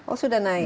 oh sudah naik